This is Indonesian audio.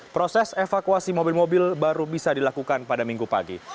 proses evakuasi mobil mobil baru bisa dilakukan pada minggu pagi